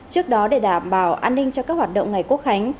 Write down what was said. trước đó để đảm bảo an ninh cho các hoạt động ngày quốc khánh